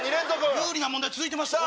有利な問題続いてますよ。